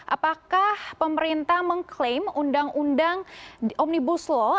apakah pemerintah mengklaim undang undang omnibus law